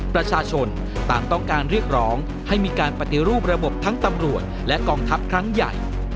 ประชาชนต่างต้องการเรียกร้องให้มีการปฏิรูประบบทั้งตำรวจและกองทัพครั้งใหญ่